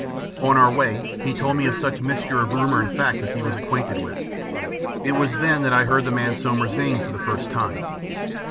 On our way he told me of such mixture of rumour and fact as he was acquainted with. It was then that I heard the man Somers's name for the first time.